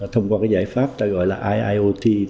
thông qua giải pháp gọi là iot